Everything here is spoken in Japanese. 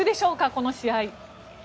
この試合。